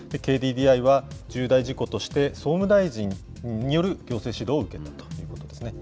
ＫＤＤＩは、重大事故として総務大臣による行政指導を受けたということですね。